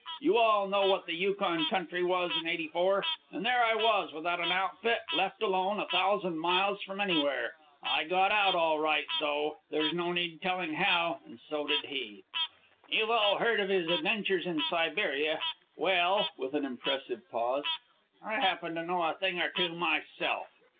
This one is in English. You all know what the Yukon country was in '84. And there I was, without an outfit, left alone, a thousand miles from anywhere. I got out all right, though there's no need of telling how, and so did he. You've all heard of his adventures in Siberia. Well," with an impressive pause, "I happen to know a thing or two myself."